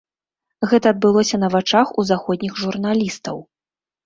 Гэта адбылося на вачах у заходніх журналістаў.